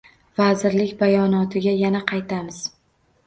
Vazirlik bayonotiga yana qaytamiz.